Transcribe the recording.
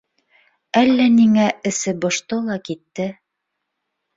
Әллә ниңә эсе бошто ла китте